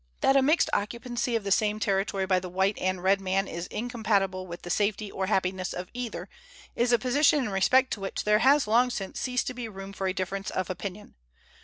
That a mixed occupancy of the same territory by the white and red man is incompatible with the safety or happiness of either is a position in respect to which there has long since ceased to be room for a difference of opinion.